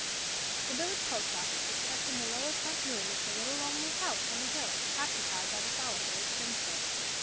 The village post office was kept in the lower front room of the little lonely house on the hill, occupied by the solitary spinster.